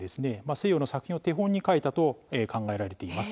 西洋の作品を手本に描いたと考えられています。